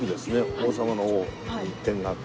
王様の「王」に点があって。